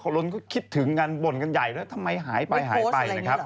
ล้นก็คิดถึงกันบ่นกันใหญ่แล้วทำไมหายไปหายไปนะครับ